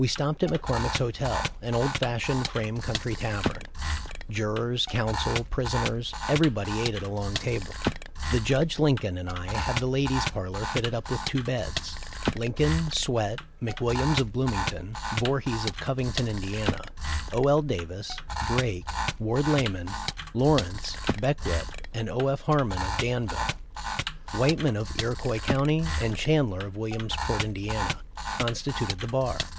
We stopped at McCor mick's hotel, an old fashioned frame country tavern. Jurors, counsel, prisoners, everybody ate at a long table. The judge, Lincoln, and I had the ladies' parlor fitted up with two beds. Lincoln, Swett, McWilliams, of Bloomington, Voorhees, of Coving ton, Ind., O. L. Davis, Drake, Ward Lamon, Law rence, Beckwith, and O. F. Harmon, of Danville, Whiteman, of Iroquois County, and Chandler, of Williamsport, Ind., constituted the bar.